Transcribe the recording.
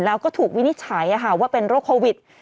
แล้วก็ถูกวินิจฉัยว่าเป็นโรคโควิด